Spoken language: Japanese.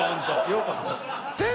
ようこそ。